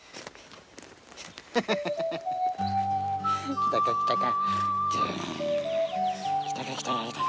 来たか、来たか。